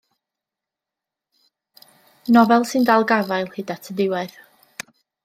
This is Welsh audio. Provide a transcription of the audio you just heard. Nofel sy'n dal gafael hyd at y diwedd.